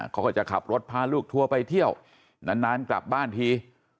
เขาก็จะขับรถพาลูกทัวร์ไปเที่ยวนานกลับบ้านที